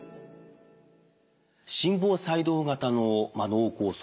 心房細動型の脳梗塞